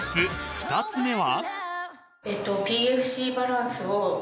２つ目は］